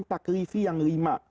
taklifi yang lima